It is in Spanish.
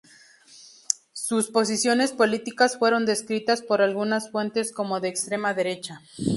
Sus posiciones políticas fueron descritas, por algunas fuentes, como de extrema derecha.